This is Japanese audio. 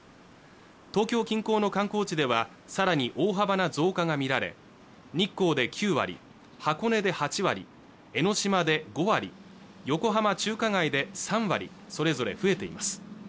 東京近郊の観光地では更に大幅な増加が見られ日光で９割箱根で８割江の島で５割横浜中華街で３割それぞれ増えています